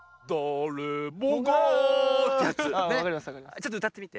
ちょっとうたってみて。